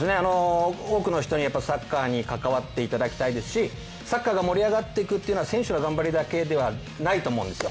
多くの人にサッカーに関わっていただきたいですし、サッカーが盛り上がっていくというのは選手の頑張りだけではないと思うんですよ。